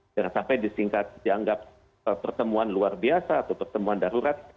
jangan sampai disingkat dianggap pertemuan luar biasa atau pertemuan darurat